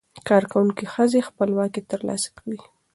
کارکوونکې ښځې خپلواکي ترلاسه کوي.